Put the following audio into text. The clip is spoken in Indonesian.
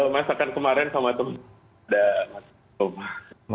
masakan kemarin sama teman teman